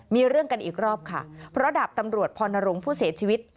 มีเรื่องกันอีกรอบค่ะเพราะดาบตำรวจพรณรงค์ผู้เสียชีวิต